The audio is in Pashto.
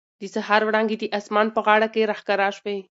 د سهار وړانګې د اسمان په غاړه کې را ښکاره شوې.